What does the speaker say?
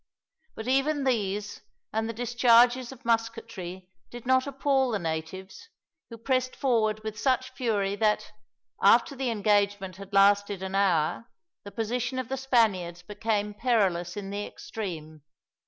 But even these, and the discharges of musketry did not appall the natives, who pressed forward with such fury that, after the engagement had lasted an hour, the position of the Spaniards became perilous in the extreme.